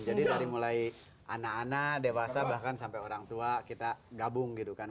jadi dari mulai anak anak dewasa bahkan sampai orang tua kita gabung gitu kan